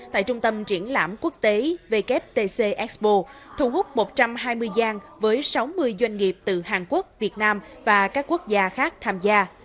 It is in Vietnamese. tại trung tâm triển lãm quốc tế wtc expo thu hút một trăm hai mươi gian với sáu mươi doanh nghiệp từ hàn quốc việt nam và các quốc gia khác tham gia